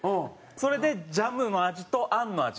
それでジャムの味とあんの味